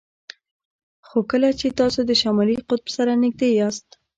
خو کله چې تاسو د شمالي قطب سره نږدې یاست